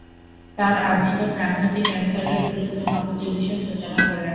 তার আবিষ্কার প্রাণঘাতী ক্যান্সারের বিরুদ্ধে নব চিকিৎসার সুচনা করে।